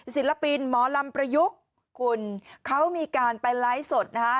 ศิลปินหมอลำประยุกต์คุณมีการส่งสอนขึ้นมา